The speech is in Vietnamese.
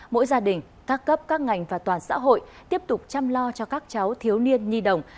mỗi gia đình các cấp các ngành và toàn xã hội tiếp tục chăm lo cho các cháu thiếu niên nhi đồng